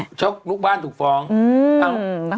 เพราะลูกบ้านถูกฟ้อง